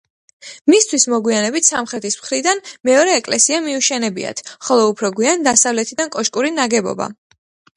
მისთვის მოგვიანებით სამხრეთის მხრიდან მეორე ეკლესია მიუშენებიათ, ხოლო უფრო გვიან დასავლეთიდან კოშკური ნაგებობა.